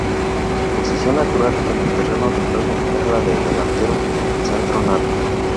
Su posición natural en el terreno de juego era la de delantero centro nato.